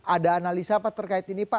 ada analisa apa terkait ini pak